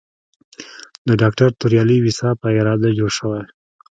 د ډاکټر توریالي ویسا په اراده جوړ شوی.